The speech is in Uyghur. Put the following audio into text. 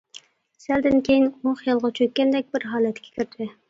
سەلدىن كېيىن ئۇ خىيالغا چۆككەندەك بىر ھالەتكە كىردى.